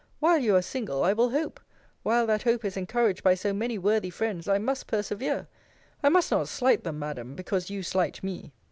While you are single, I will hope. While that hope is encouraged by so many worthy friends, I must persevere. I must not slight them, Madam, because you slight me.